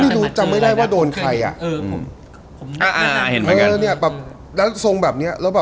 ไม่จำไม่ได้ว่าโดนใครอะ